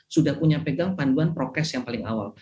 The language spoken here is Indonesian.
sudah punya pegang panduan prokes yang paling awal